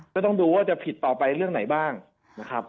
ก็ต้องดูว่าจะผิดต่อไปเรื่องไหนบ้างนะครับ